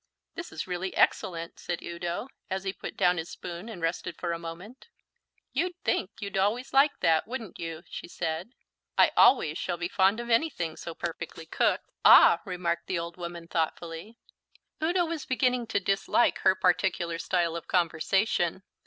"This is really excellent," said Udo, as he put down his spoon and rested for a moment. "You'd think you'd always like that, wouldn't you?" she said. "I always shall be fond of anything so perfectly cooked." "Ah," remarked the old woman thoughtfully. Udo was beginning to dislike her particular style of conversation.